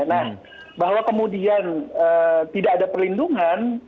nah bahwa kemudian tidak ada perlindungan